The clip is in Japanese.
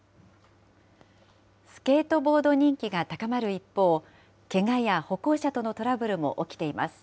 スケートボード人気が高まる一方、けがや歩行者とのトラブルも起きています。